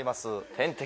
「天敵！